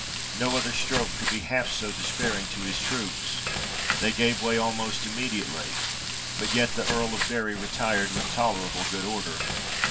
No other stroke could be half so despairing to his troops ; they gave way almost immediately ; but yet the Earl of Bury retired with tolerable good order.